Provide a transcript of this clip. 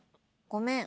「ごめん」。